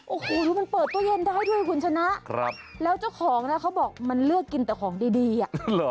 โอ้โหดูมันเปิดตู้เย็นได้ด้วยคุณชนะแล้วเจ้าของนะเขาบอกมันเลือกกินแต่ของดีดีอ่ะเหรอ